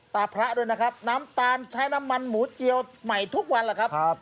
พระด้วยนะครับน้ำตาลใช้น้ำมันหมูเจียวใหม่ทุกวันแหละครับ